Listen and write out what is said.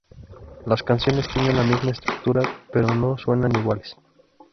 Las canciones tienen la misma estructura, pero no suenan iguales.